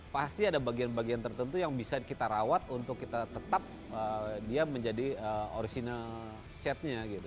pasti ada bagian bagian tertentu yang bisa kita rawat untuk kita tetap dia menjadi original chat nya gitu